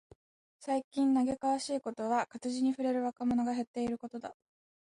最近嘆かわしいことは、活字に触れる若者が減っていることだ。